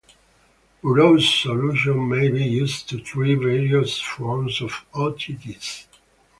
Burow's solution may be used to treat various forms of otitis.